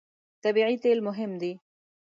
طبیعي تېل مهم دي.